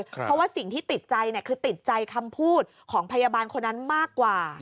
เพราะว่าสิ่งที่ติดใจคือติดใจคำพูดของพยาบาลคนนั้นมากกว่า